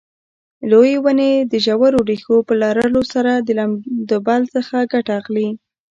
لویې ونې د ژورو ریښو په لرلو سره د لمدبل څخه ګټه اخلي.